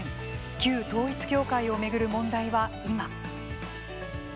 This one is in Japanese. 旧統一教会を巡る問題は今。